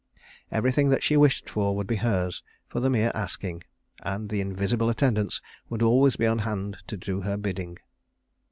Everything that she wished for would be hers for the mere asking, and the invisible attendants would always be on hand to do her bidding.